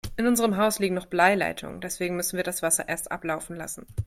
In unserem Haus liegen noch Bleileitungen, deswegen müssen wir das Wasser erst ablaufen lassen.